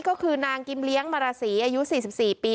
ก็คือนางกิมเลี้ยงมาราศีอายุ๔๔ปี